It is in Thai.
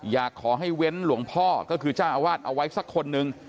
อยากให้เว้นหลวงพ่อก็คือเจ้าอาวาสเอาไว้สักคนนึง